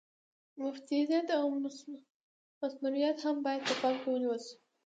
مفیدیت او مثمریت هم باید په پام کې ونیول شي.